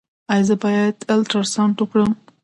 ایا زه باید الټراساونډ وکړم؟